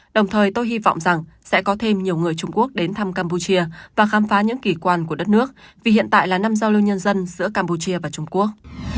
đồng thời tôi hy vọng rằng sẽ có thêm nhiều người trung quốc đến thăm campuchia và khám phá những kỳ quan của đất nước vì hiện tại là năm giao lưu nhân dân giữa campuchia và trung quốc